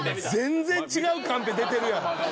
全然違うカンペ出てるやん！